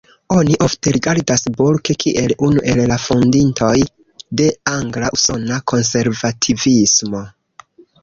Oni ofte rigardas Burke kiel unu el la fondintoj de angla-usona konservativismo.